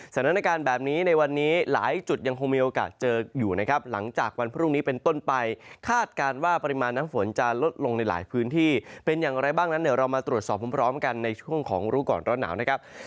สถานการณ์แบบนี้ในวันนี้หลายจุดยังคงมีโอกาสเจออยู่นะครับหลังจากวันพรุ่งนี้เป็นต้นไปคาดการณ์ว่าปริมาณน้ำฝนจะลดลงในหลายพื้นที่เป็นอย่างไรบ้างนั้นเดี๋ยวเรามาตรวจสอบพร้อมกันในช่วงของรู้ก่อนร้อนหนาวนะครับ